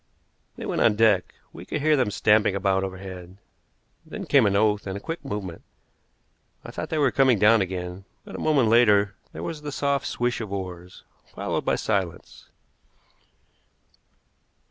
They went on deck, we could hear them stamping about overhead. Then came an oath, and a quick movement. I thought they were coming down again, but a moment later there was the soft swish of oars, followed by silence.